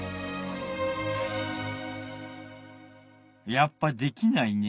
やっぱできないね。